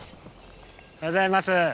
おはようございます。